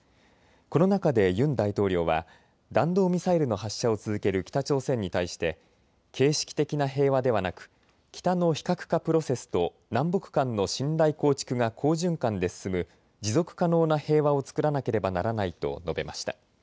この中でユン大統領は弾道ミサイルの発射を続ける北朝鮮に対して形式的な平和ではなく北の非核化プロセスと南北間の信頼構築が好循環で進む持続可能な平和を作らなければならないと述べました。